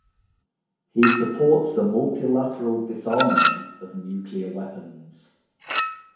He supports the multilateral disarmament of nuclear weapons.